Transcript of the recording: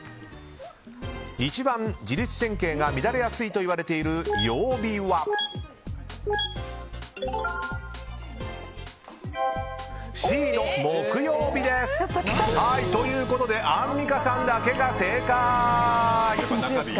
一番、自律神経が乱れやすいといわれている曜日はＣの木曜日です！ということでアンミカさんだけが正解！